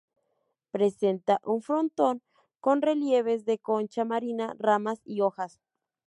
Presenta un frontón con relieves de concha marina, ramas y hojas.